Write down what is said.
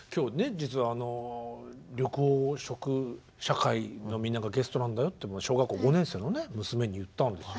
実は緑黄色社会のみんながゲストなんだよっていうのを小学校５年生のね娘に言ったんですよ。